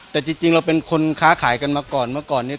แต่จริงเราเป็นคนค้าขายกันมาก่อนเมื่อก่อนเนี่ย